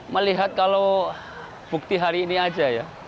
melihat kalau bukti hari ini aja ya